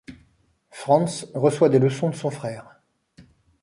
Franz reçoit des leçons de son frère.